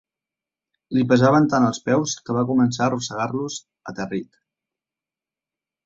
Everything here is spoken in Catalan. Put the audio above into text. Li pesaven tant els peus que va començar a arrossegar-los, aterrit.